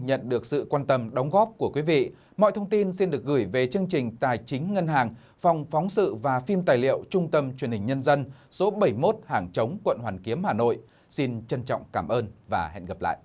hãy đăng ký kênh để ủng hộ kênh của mình nhé